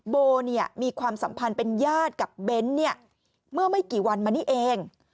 โบมีความสัมพันธ์เป็นญาติกับเบ้นเมื่อไม่กี่วันมานี้เอง